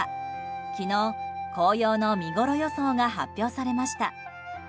昨日、紅葉の見ごろ予想が発表されました。